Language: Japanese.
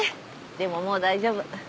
でももう大丈夫。